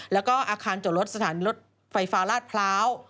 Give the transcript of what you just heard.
แล้วก็อาคารจอดรถสถานรถไฟฟ้าลาดพร้าว